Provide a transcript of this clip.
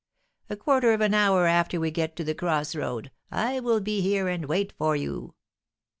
A quarter of an hour after we get to the cross road, I will be here and wait for you."